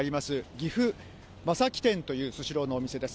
岐阜正木店というスシローのお店です。